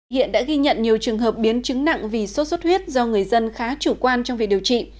hiện đã ghi nhận nhiều trường hợp biến chứng nặng vì sốt xuất huyết do người dân khá chủ quan trong việc điều trị